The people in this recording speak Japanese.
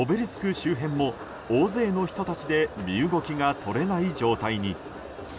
周辺も大勢の人たちで身動きがとれない状態に。